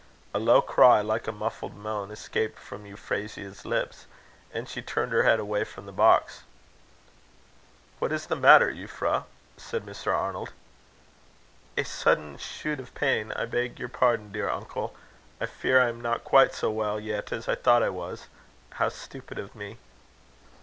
A low cry, like a muffled moan, escaped from Euphrasia's lips, and she turned her head away from the box. "What is the matter, Euphra?" said Mr. Arnold. "A sudden shoot of pain I beg your pardon, dear uncle. I fear I am not quite so well yet as I thought I was. How stupid of me!"